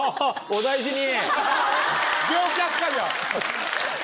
お大事に。